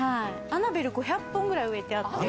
アナベル５００本ぐらい植えてあって。